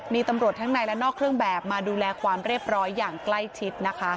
มีตำรวจทั้งในและนอกเครื่องแบบมาดูแลความเรียบร้อยอย่างใกล้ชิดนะคะ